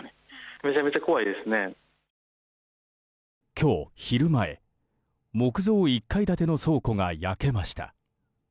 今日昼前木造１階建ての倉庫が焼けました。